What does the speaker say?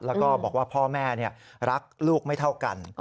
แล้วก็บอกว่าพ่อแม่รักลูกไม่เท่ากัน